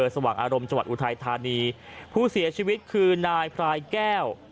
สว่างอารมณ์จังหวัดอุทัยธานีผู้เสียชีวิตคือนายพรายแก้ว